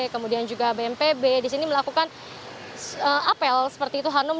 kemudian juga bmpb disini melakukan apel seperti itu hanum